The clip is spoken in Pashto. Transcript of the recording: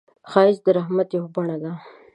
ښایست د رحمت یو بڼه ده